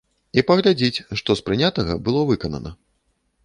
І паглядзіць, што з прынятага было выканана.